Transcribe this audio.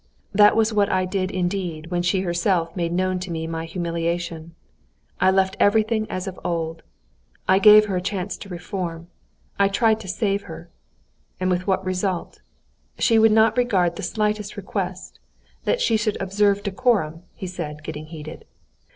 "That was what I did indeed when she herself made known to me my humiliation; I left everything as of old. I gave her a chance to reform, I tried to save her. And with what result? She would not regard the slightest request—that she should observe decorum," he said, getting heated.